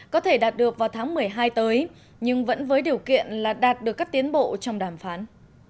có thể đạt được vào tháng một mươi hai tới nhưng vẫn với điều kiện là đạt được các tiến bộ trong đàm phán